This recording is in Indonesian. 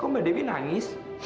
kok mbak dewi nangis